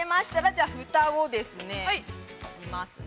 ◆じゃあ、ふたをですね、しますね。